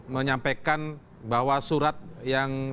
menyampaikan bahwa surat yang